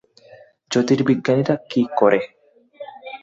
জ্যোতির্বিজ্ঞানীরা কী করে?